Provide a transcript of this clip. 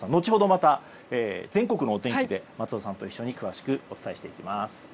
また全国のお天気で松尾さんと一緒に詳しくお伝えしていきます。